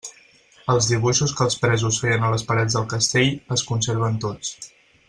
Els dibuixos que els presos feien a les parets del castell es conserven tots.